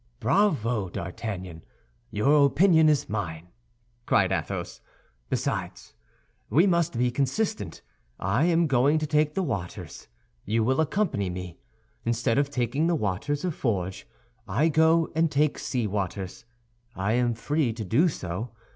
"Bravo, D'Artagnan, your opinion is mine," cried Athos, "Besides, we must be consistent; I am going to take the waters, you will accompany me. Instead of taking the waters of Forges, I go and take sea waters; I am free to do so.